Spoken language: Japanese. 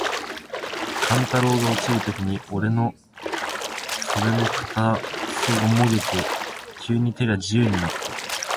勘太郎が落ちるときに、おれの袷の片袖がもげて、急に手が自由になつた。